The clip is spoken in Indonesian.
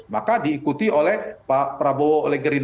maka diikuti oleh prabowo